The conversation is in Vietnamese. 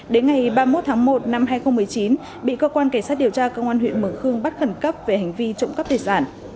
đến ngày ba mươi một tháng một năm hai nghìn một mươi chín bị cơ quan cảnh sát điều tra công an huyện mường khương bắt khẩn cấp về hành vi trộm cắp tài sản